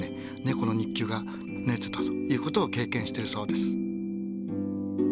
この肉球がぬれてたということを経験してるそうです。